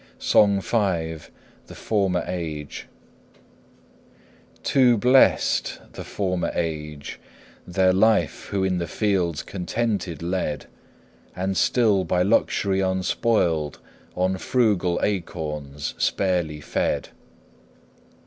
SONG V. THE FORMER AGE. Too blest the former age, their life Who in the fields contented led, And still, by luxury unspoiled, On frugal acorns sparely fed.